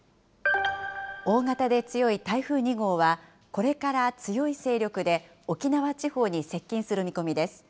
大型で強い台風２号は、これから強い勢力で沖縄地方に接近する見込みです。